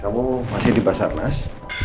kamu masih di basarnas